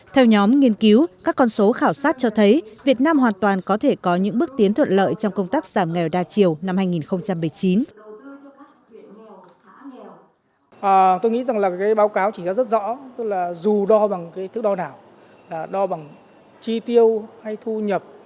theo nhóm nghiên cứu các con số khảo sát cho thấy việt nam hoàn toàn có thể có những bước tiến thuận lợi trong công tác giảm nghèo đa chiều năm hai nghìn một mươi chín